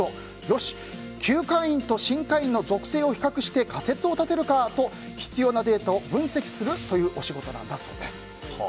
よし、旧会員と新会員の属性を比較して仮説を立てるかと必要なデータを分析するというお仕事なんだそうです。